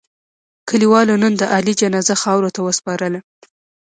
کلیوالو نن د علي جنازه خاورو ته و سپارله.